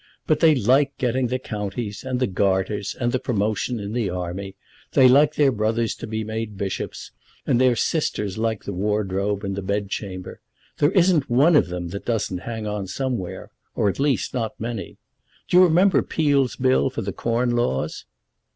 But they like getting the counties, and the Garters, and the promotion in the army. They like their brothers to be made bishops, and their sisters like the Wardrobe and the Bedchamber. There isn't one of them that doesn't hang on somewhere, or at least not many. Do you remember Peel's bill for the Corn Laws?"